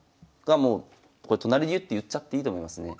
これ都成流って言っちゃっていいと思いますね。